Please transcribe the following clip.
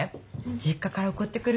実家から送ってくるの。